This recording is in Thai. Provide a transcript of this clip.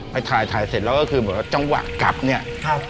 ไปถ่ายถ่ายเสร็จแล้วก็คือจังหวะกลับเนี่ย